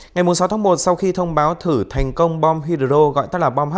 ngày sáu tháng một sau khi thông báo thử thành công bom hydro gọi tắt là bom h